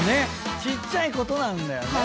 ちっちゃいことなんだよね。